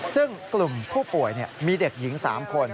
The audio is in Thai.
ซึ่งกลุ่มผู้ป่วยมีเด็กหญิง๓คน